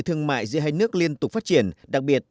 chúng ta đã bắt đầu phát triển đất nước